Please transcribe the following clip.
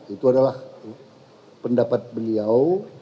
itu adalah pendapat beliau